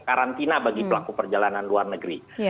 karantina bagi pelaku perjalanan luar negeri